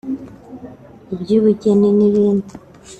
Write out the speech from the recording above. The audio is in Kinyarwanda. iby’ubugeni n’ibindi